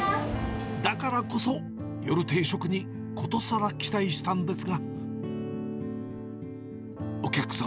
だからこそ、夜定食にことさら期待したんですが。